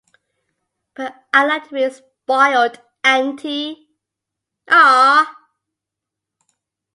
But I like to be spoilt, auntie.